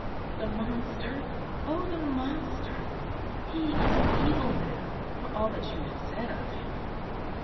"The monster! Oh, the monster! He is an evil man for all that you have said of him."